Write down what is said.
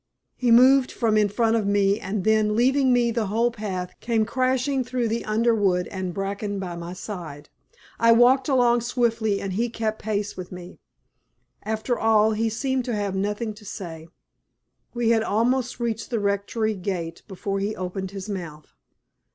He moved from in front of me, and then, leaving me the whole path, came crashing through the underwood and bracken by my side. I walked along swiftly, and he kept pace with me. After all he seemed to have nothing to say. We had almost reached the Rectory gate before he opened his mouth.